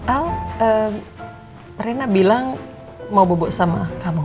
al rina bilang mau bubuk sama kamu